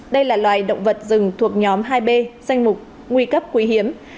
đây là loài động vật rừng thuộc nhóm hai b danh mục nguy cấp quý hiếm